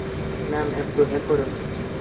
Ma'am, একটু help করুন।